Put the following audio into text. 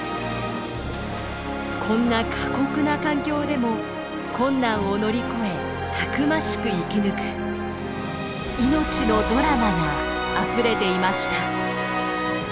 こんな過酷な環境でも困難を乗り越えたくましく生き抜く命のドラマがあふれていました。